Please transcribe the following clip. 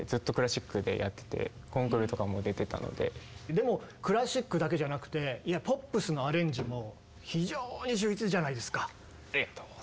でもクラシックだけじゃなくていやポップスのアレンジも非常に秀逸じゃないですか。